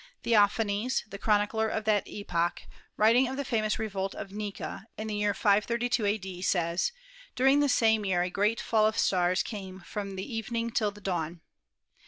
Theophanes, the chronicler of that epoch, writing of 248 ASTRONOMY the famous revolt of Nika . in the year 532 a.d., says: "During the same year a great fall of stars came from the evening till the dawn."